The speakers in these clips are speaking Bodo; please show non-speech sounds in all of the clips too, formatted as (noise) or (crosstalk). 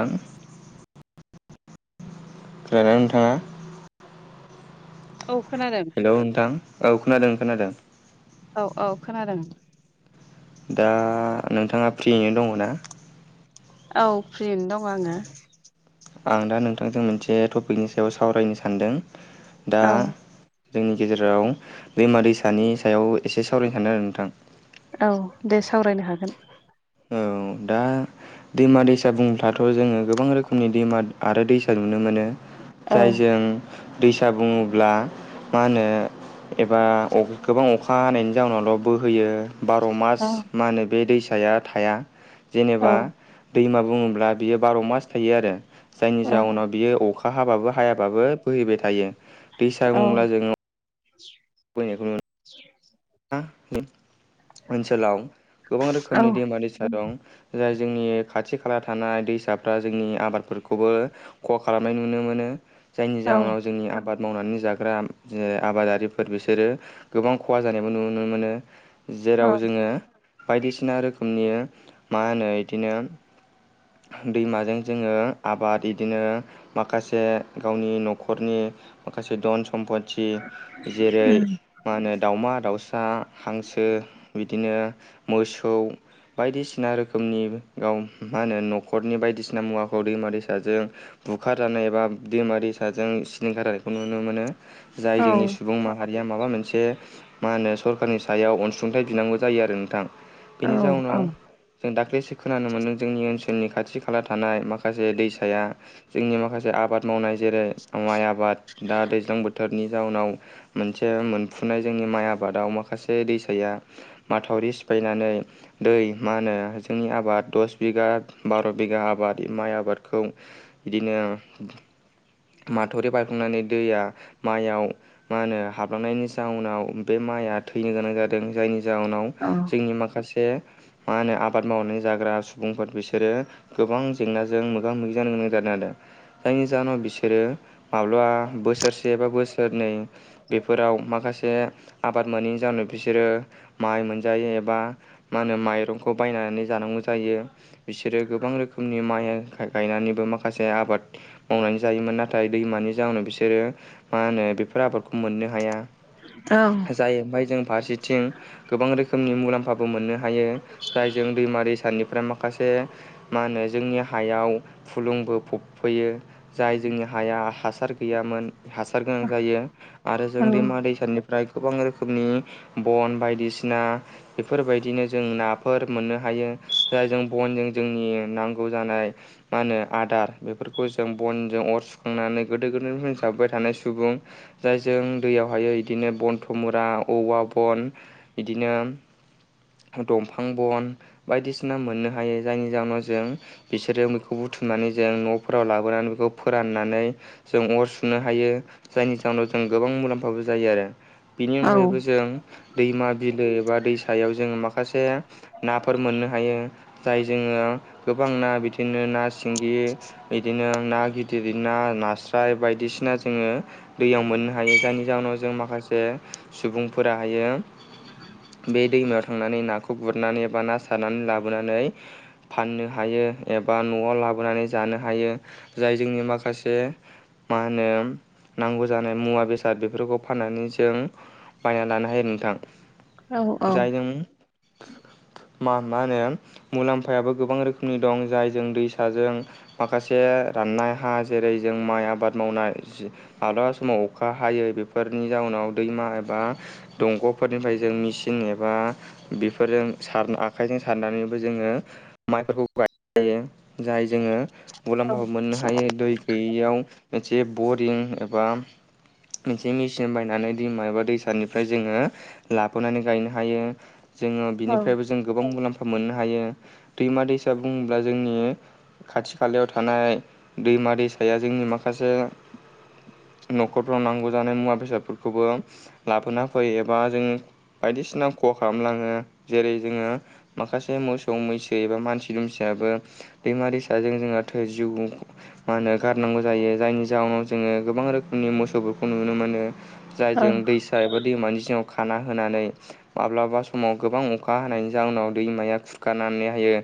ओं। खोनादोंना नोंथाङा? औ खोनादों। औ नोंथां औ खोनादों खोनादों। औ औ खोनादों। दा नोंथाङा फ्रियैनो दङ ना? औ फ्रियैनो दङ आंङो। आं दा नोंथांजों मोनसे टपिकनि सायाव सावरायनो सानदों दा आङो। औ जोंनि गेजेराव दैमा दैसानि सायाव एसे सावरायनो सानदों आरो नोंथां। औ दे सावरायनो हागोन। औ दा दैमा दैसा बुंङोफ्लाथ' जोङो गोबां रोखोमनि दैमा आरो दैसा नुनो मोनो। औ जायजों दैसा बुङोब्ला मा होनो एबा गोबां अखा हानायनि जाउनावल' बोहोयो बार' मास औ मा होनो बे दैसाया थाया औ जेनेबा दैमा बुंङोब्ला बियो बार' मास थायो आरो। जायनि ओं जाउनाव बियो अखा हाबाबो हायाबाबो बोहैबाय थायो दैसा औ बुंब्ला जोङो बोहैनायखौ नु (unintelligible) ओनसोलाव गोबां रोखोमनि दैमा दैसा दं। जाय जोंनि खाथि खाला थानाय दैसाफ्रा जोंनि आबादफोरखौबो खहा खालामनाय नुनो मोनो। जायनि औ जाउनाव जोंनि आबाद मावनानै जाग्रा ओ आबादारिफोर बिसोरो गोबां खहा जानायबो नु-नुनो मोनो जेराव जोङो बायदिसिना रोखोमनि मा होनो इदिनो दैमाजों जोङो आबाद इदिनो माखासे गावनि नखरनि माखासे धन सम्पथि जेरै उम मा होनो दाउमा दाउसा हांसो बिदिनो मोसौ बायदिसिना रोखोमनि गाव मा होनो नखरनि बायदिसिना मुवाखौ दैमा दैसाजों बुखार जानाय एबा दैमा दैसाजों सिलिंखार जानायखौ नुनो मोनो। औ जाय जोंनि सुबुं माहारिया माबा मोनसे मा होनो सरखारनि सायाव अनसुंथाइ बिनांगौ जायो आरो नोंथां औ बेनि जाउनाव जों दाख्लैसो खोनानो मोन्दों जोंनि ओनसोलनि खाथि खाला थानाय माखासे दैसाया जोंनि माखासे आबाद मावनाय जेरै माइ आबाद दा दैज्लां बोथोरनि जाउनाव मोनसे मोनफुनाय जोंनि माइ आबादाव माखासे दैसाया माथावरि सिफायनानै दै मा होनो जोंनि आबाद दस बिगा बार' बिगा आबाद माइ आबादखौ बिदिनो माथावरि बायफ्लंनानै दैया माइयाव मा होनो हाबलांनायनि जाउ नाव बे माइया थैनो गोनां जादों जायनि जाउनाव औ जोंनि माखासे मा होनो आबाद मावनानै जाग्रा सुबुंफोर बिसोरो गोबां जेंनाजों मोगा मोगि जानो गोनां जादों आरो। जायनि जाहोनाव बिसोरो माब्लाबा बोसोरसे बा बोसोरनै बेफोराव माखासे आबाद मोनैनि जाहोनाव बिसोरो माइ मोनजायो एबा मा होनो माइरंखौ बायनानै जानांगौ जायो बिसोरो गोबां रोखोमनि माइ गायनानैबो माखासे आबाद मावनानै जायोमोन नाथाय दैमानि जाउनाव बिसोरो मा होनो बेफोर आबादखौ मोननो हाया औ जायो ओमफाय जों फारसेथिं गोबां रोखोमनि मुलाम्फाबो मोननो हायो जायजों दैमा दैसानिफ्राय माखासे मा होनो जोंनि हायाव फुलुंबो फबफैयो जाय जोंनि हाया हासार गैयामोन हासार गोनां जायो आरो औ जों दैमा दैसानि ओमफ्राय गोबां रोखोमनि बन बायदिसिना बेफोरबायदिनो जों नाफोर मोननो हायो जाय जों बनजों जोंनि नांगौ जानाय मा होनो आदार बेफोरखौ जों बनजों अर सुखांनानै गोदो गोदायनिफ्रायनो जाबोबाय थानाय सुबुं जायजों दैयावहायै बिदिनो बनथ' मुरा औवा बन बिदिनो दंफां बन बायदिसिना मोननो हायो जायनि जाहोनाव जों बिसोरो मैखौ बुथुमनानै जों न'फोराव लाबोनानै बेखौ फोराननानै जों अर सुनो हायो जायनि जाहोनाव जों गोबां मुलाम्फाबो जायो आरो बिनि औ अनगायैबो जों दैमा बिलो एबा दैसायाव जों माखासे नाफोर मोननो हायो जाय जोङो गोबां ना बिदिनो ना सिंगि बिदिनो ना गिदिर ना नास्राय बायदिसिना जोङो दैयाव मोननो हायो जायनि जाहोनाव जों माखासे सुबुंफोरा हायो बे दैमायाव थांनानै नाखौ गुरनानै बा ना सारनानै लाबोनानै फाननो हायो एबा न'आव लाबोनानै जानो हायो जाय जोंनि माखासे मा होनो नांगौ जानाय मुवा बेसाद बेफोरखौ फाननानै जों बायना लानो हायो नोंथां औ जायजों (inaudible) मा मा होनो मुलाम्फायाबो गोबां रोखोमनि दं जायजों दैसाजों माखासे राननाय हा जेरै जों माइ आबाद मावनाय माब्लाबा समाव अखा हायो बेफोरनि जाउनाव दैमा एबा दंग'फोरनिफ्राय जों मिचिन एबा बेफोरजों सार आखाइजों सारनानैबो जोङो माइफोरखौ गायनाय जायो जाय जोङो मुलाम्फाबो मोननो हायो दै गैयैयाव मोनसे बरिं एबा बे मेचिन बायनानै दैमा एबा दैसानिफ्राय जोङो लाबोनानै गायनो हायो जोङो बिनिफ्रायबो जों गोबां मुलाम्फा मोननो हायो दैमा दैसा बुङोब्ला जोंनि खाथि खालायाव थानाय दैमा दैसाया जोंनि माखासे न'खरफ्राव नांगौ जानाय मुवा बेसादफोरखौबो लाबोना फैयो एबा जों बायदिसिना खहा खालामलाङो जेरै जोङो माखासे मोसौ मैसो एबा मानसि दुमसियाबो दैमा दैसाजों जोंहाथो जिउ (inaudible) मा होनो गारनांगौ जायो जायनि जाउनाव जोङो गोबां रोखोमनि मोसौ खौ नुनो मोनो जाय जों दैसा एबा दैमानि जिङाव खाना होनानै माब्लाबा समाव गोबां अखा हानायनि जाउनाव दैमाया खुरखानानै होयो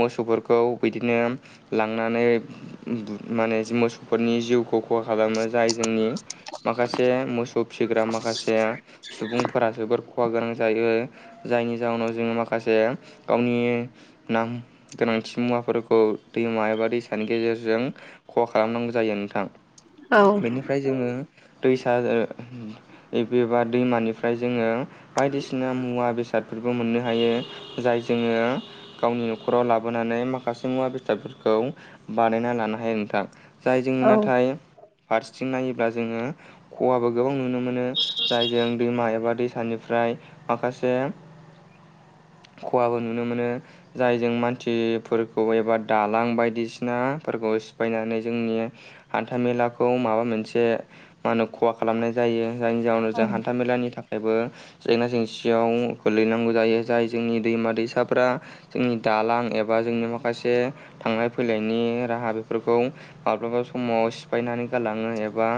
मोसौफोरखौ बिदिनो लांनानै माने मोसौफोरनि जिउखौ खहा खालामो जाय जोंनि माखासे मोसौ फिसिग्रा माखासे सुबुंफोरा जोबोर खहा गोनां जायो जायनि जाहोनाव जोङो माखासे गावनि नाम गोनांथि मुवाफोरखौ दैमा एबा दैसानि गेजेरजों खहा खालामनांगौ जायो नोंथां बेनिफ्राय जोङो दैसा एबा दैमानिफ्राय जोङो बायदिसिना मुवा बेसादफोरखौ मोननो हायो जाय जोङो। गावनि न'खराव लाबोनानै माखासे मुवा बेसादफोरखौ बानायना लानो हायो नोंथां। जाय जोङो नाथाय फारसेथिं नायोब्ला जोङो खहाबो गोबां नुनो मोनो। मोनो जायजों दैमा एबा दैसानिफ्राय माखासे खहाबो नुनो मोनो जायजों मानसिफोरखौ एबा दालां बायदिसिनाफोरखौ सिफायनानै जोंनि हान्थामेलाखौ माबा मोनसे मा होनो खहा खालामनाय जायो जायनि जाउनाव जों हान्था मेलानि थाखाय बो जेंना जेंसियाव गोलैनांगौ जायो जाय जोंनि दैमा दैसाफ्रा जोंनि दालां एबा जोंनि माखासे थांलाय फैलायनि राहा बेफोरखौ माब्लाबा समाव सिफायनानै गालाङो एबा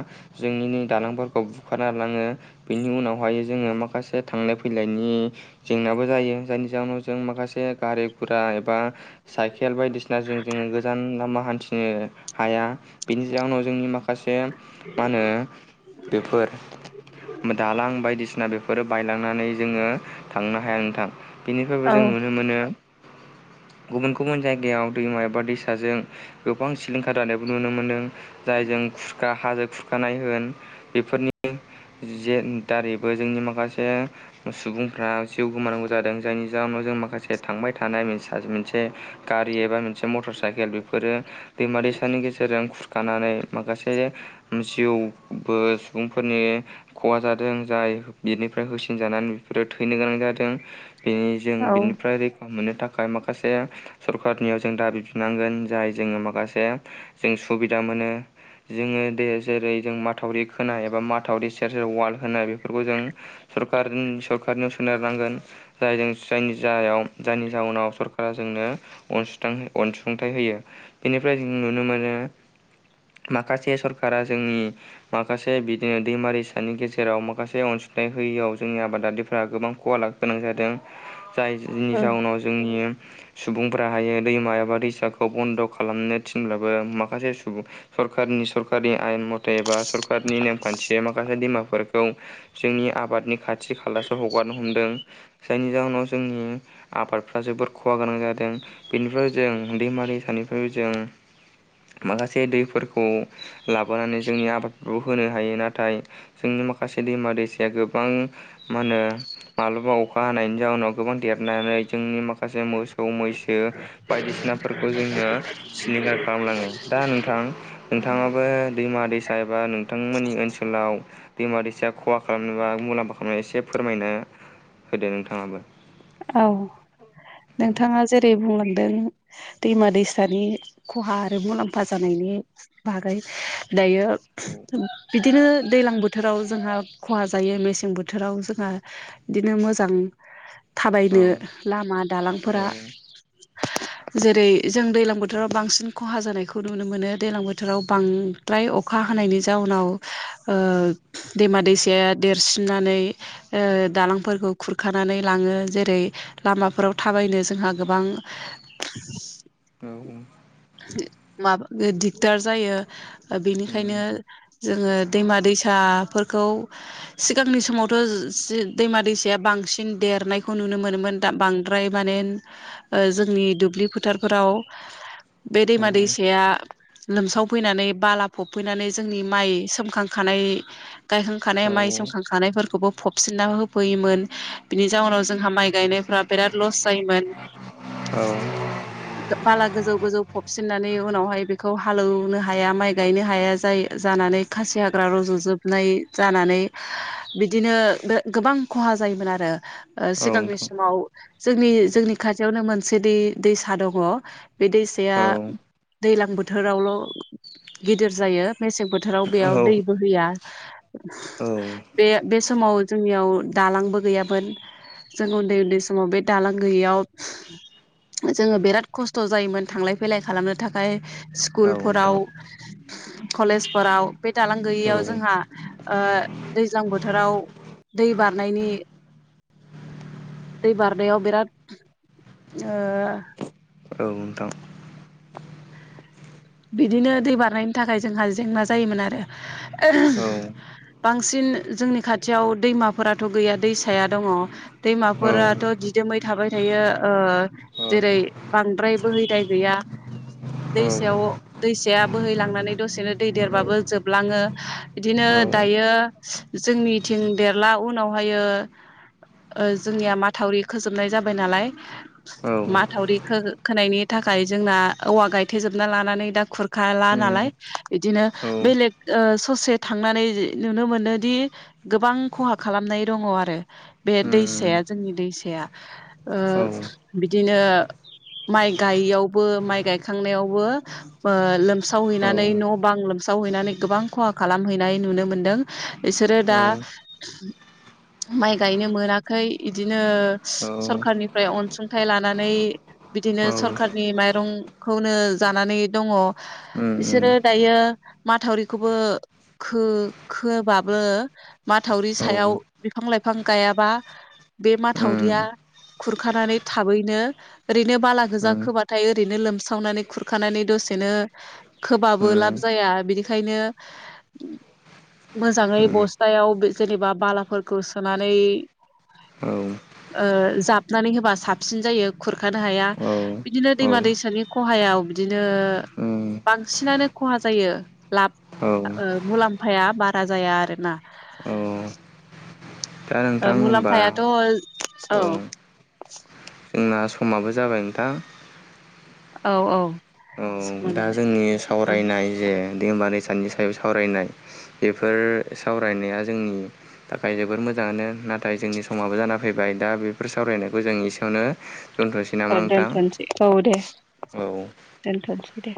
जोंनि नै दालांफोरखौ बुखारना लाङो बेनि उनावहाय जोङो माखासे दा थांलाय फैलायनि जेंनाबो जायो जायनि जाहोनाव जों माखासे गारि गुरा एबा साइकेल बायदिसिनाजों जोङो गोजान लामा हान्थिनो हाया बेनि जाहोनाव जोंनि माखासे मा होनो बेफोर दालां बायदिसिना बेफोरो बायलांनानै जोङो थांनो हाया नोंथां। बेनिफ्रायबो जों नुनो मोनो गुबुन गुबुन जायगायाव दैमा एबा दैसाजों गोबां सिलिंखार जानायबो नुनो मोन्दों जायजों खुुरखा हाजो खुर खानाय होन बेफोरनि जे दारैबो जोंनि माखासे सुबुंफ्रा जिउ गोमानांगौ जादों। जायनि जााहोनाव जों माखासे थांबाय थानाय मोनसे गारि एबा मोनसे मटर साइकेल बेफोरो दैमा दैसानि गेजेरजों खुरखानानै माखासे जिउबो सुबुंफोरनि खहा जादों जाय बिनिफ्राय होसिनजानानै बेफोरो थैनो गोनां जादों। बेनि जों औ बिनिफ्राय रै मोननो थाखाय माखासे सरखारनियाव जों दाबि बिनांगोन जाय जोङो माखासे जों सुबिदा मोनो जोङो दे जेरै जों माथावरि खोनाय एबा माथावरि सेर जेर वाल होनाय बेफोरखौ जों सरखार सरखारनियाव सोनारनांगोन जायजों जायनि जायाव जायनि जााहोनाव सरकारा जोंनो अनसुंथाइ होयो बेनिफ्राय जों नुनो मोनो माखासे सरकारा जोंनि माखासे बिदिनो दैमारिसानि गेजेराव माखासे अनसुंथाइ होयैआव जोंनि आबादारिफ गोबां खहा ला गोनां जादों जाय जिनि जाउनाव जोंनि सुबुंफ्रा हायो दैमा एबा दैसाखौ बन्द' खालामनो थिनब्लाबो माखासे सुबुं सरखारनि सरकनि आयेन मथेबा सरखारारनि नेमखान्थिय माखासे दैमाफोरखौ जोंनि आबादनि खाथि खालासो हगारनो हमदों जायनि जाहोनाव जोंनि आबादफ्रा जोबोद खहा गोनां जादों बेनिफ्राय जों दैमा दैसानिफ्रायबो जों माखासे दैफोरखौ लाबोनानै जोंनि आबादफोरखौ होनो हायो नाथाय जोंनि माखासे दैमा दैसाया गोबां मा होनो माब्लाबा अखा हानायनि जाउनाव गोबां देरनानै जोंनि माखासे मोसौ मोसौ मैसो बायदिसिनाफोरखौ जोंनो सिलिंखार खालामलाङो दा नोंथां नोंथाङाबो दैमा दैसा एबा नोंथांमोननि ओनसोलाव दैमा दैसा खहा खालामनाय बा मुलाम्फा खालामनाय एसे फोरमायनो होदो नोंथाङाबो। औ नोंथाङा जेरै बुंलांदों दैमा दैसानि खहा आरो मुलाम्फा जानायनि बागै दायो औ बिदिनो दैज्लां बोथोराव जोंहा खहा जायो मेसें बोथोराव जोंहा बिदिनो मोजां थाबायनो औ लामा औ दालांफोरा (inaudible) जेरै जों दैजलां बोथोराव बांसिन खहा जानायखौ नुनो मोनो दैलां बोथोराव बां द्राय अखा हानायनि जाउनाव ओं दैमा दैसाया देरसिननानै ओं दालांफोरखौ खुरखानानै लाङो। जेरै लामाफोराव थाबायनो जोंहा गोबां औ। माब दिगदार जायो बेनिखायनो जोङो दैमा दैसाफोरखौ सिगांनि समावथ' जि दैमा दैसाया बांसिन देरनाय नुनो मोनोमोन दा बांद्राय माने ओ जोंनि दुब्लि फोथारफोराव बे दैमा औ दैसाया लोमसावफैनानै बाला फबफैनानै जोंनि माइ सोमखांखानाय गायखां खानाय माइ सोमखां खानायफोरखौबो फफसिनना होफैयोमोन बिनि जाउनाव जोंहा माइ गायनायफ्रा बेराद लस जायोमोन। औ (inaudible) बाला गोजौ गोजौ फबसिननानै उनावहाय बेखौ हालौनो हाया माइ गायनो हाया जायो जानानै खासि हाग्रा रज'जोबनाय जानानै बिदिनो गोबां खहा जायोमोन आरो। ओ औ सिगांनि नोंथां समाव जोंनि जोंनि खाथियावनो मोनसे दै दैसा दङ बे दैसाया औ दैलां बोथोरावल' गिदिर जायो मेसें बोथोराव बेयाव औ दै बोहैया। (inaudible) औ। बे बे समाव जोंनियाव दालांबो गैयामोन। जों उन्दै उन्दै समाव बे दालां गैयैयाव जोङो बिराद खस् थ' जायोमोन थांलाय फैलाय खालामनो थाखाय औ स्कुलफोराव नोंथां कलेजफोराव बे दालां औ गैयियाव जोंहा ओ दैज्लां बोथोराव दै बारनायनि दै बारनायाव बिराद ओ औ नोंथां। बिदिनो दै बारनायनि थाखाय जोंहा जेंना जायोमोन आरो। औ बांसिन जोंनि खाथियाव दैमाफोराथ' गैया दैसाया दङ'। औ दैमाफोराथ' दिदोमै थाबाय थायो ओ औ जेरै बांद्राय बोहैदाय गैया औ दैसायाव दैसाया बोहैलांनानै दसेनो दै देरबाबो जोबलाङो इदिनो औ दायो जोंनिथिं देरला उनावहायो ओ जोंनिया माथावरि खोजोबनाय जाबाय नालाय। औ माथावरि खो-खोनायनि थाखाय जोंना औवा गायथेेजोबना लानानै दा खुरखाला उम नालाय इदिनो औ बेलेग ओ ससे थांनानै नुनो मोनोदि गोबां खहा खालामनाय दङ आरो बे दैसाया उम जोंनि दैसाया। ओ औ बिदिनो माइ गायैयावबो माइ गायखांनायावबो ओ लोमसावहैनानै न' बां लोमसावहैनानै गोबां खहा खालामहैनाय नुनो मोनदों। इसोरो औ दा माइ गायनो मोनाखै इदिनो औ सरखारनिफ्राय अनसुंथाइ लानानै बिदिनो औ सरखारनि माइरंखौनो जानानै दङ। उम उम इसोरो दायो माथावरिखौबो खो-खोबाबो माथावरि औ उम सायाव बिफां लाइफां गायाबा बे माथावरिया खुरखानानै थाबैनो ओरैनो बाला गोजा खोबाथाय ओरैनो लोमसावनानै खुरखानानै दसे बिदिनो उम खोबाबो लाब औ जाया बिनिखायनो मोजाङै बस्थायाव जेनेबा बालाफोरखौ सोनानै औ ओ जाबनानै होबा साबसिन जायो खुरखानो हाया औ बिदिनो उम दैमा दैसानि खहायाव बिदिनो बांसिनानो खहा जायो लाब औ ओ मुलाम्फाया बारा जाया आरोना औ दा ओ नोंथां होमबा मुलाम्फायाथ' औ जोंना समाबो जाबाय नोंथां औ औ औ समा दा जाबाय जोंनि सावरायनाय जे दैमा दैसानि सायाव सावरायनाय बेफोर सावरायनाया जोंनि थाखाय जोबोर मोजाङानो नाथाय जोंनि समाबो जाना फैबाय दा बेफोर सावरायनायखौ जों एसेयावनो दोनथ'नोसै औ नामा नोंथां दोनथ'नोसै औ दे औ दोनथ'नोसै दे